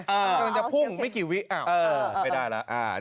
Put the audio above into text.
กำลังจะพุ่งไม่กี่วิไม่ได้แล้ว